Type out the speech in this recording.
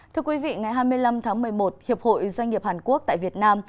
thưa quý vị ngày hai mươi năm tháng một mươi một hiệp hội doanh nghiệp hàn quốc tại việt nam